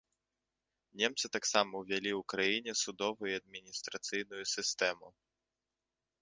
Немцы таксама ўвялі ў краіне судовую і адміністрацыйную сістэму.